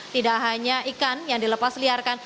tidak hanya ikan yang dilepas liarkan